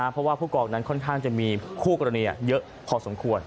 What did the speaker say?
เพราะว่าผู้กองนั้นค่อนข้างจะมีคู่กรณีเยอะพอสมควร